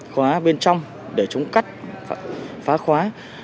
khóa bên trong để chống cắt phá khóa